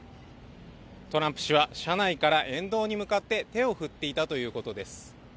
トランプ氏は車内から沿道に向かって手を振っていたということです。